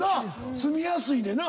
住みやすいねんな。